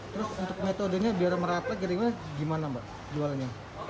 terus untuk metodenya biar merata gimana mbak jualannya